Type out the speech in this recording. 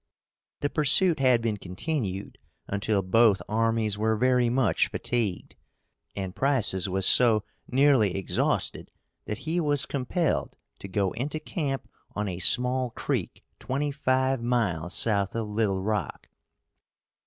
The pursuit had been continued until both armies were very much fatigued, and Price's was so nearly exhausted that he was compelled to go into camp on a small creek twenty five miles south of Little Rock.